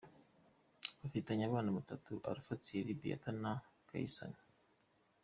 Bafitanye abana batatu Alpha Thierry, Beata na Caysan.